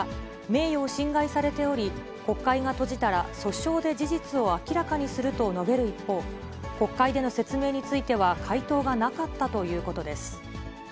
名誉を侵害されており、国会が閉じたら訴訟で事実を明らかにすると述べる一方、国会での説明については回答がなかったということです。